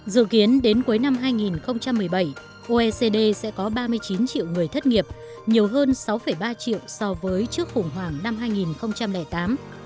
dự kiến đến cuối năm hai nghìn một mươi bảy oecd sẽ có ba mươi chín triệu người thất nghiệp nhiều hơn sáu ba triệu so với trước khủng hoảng năm hai nghìn tám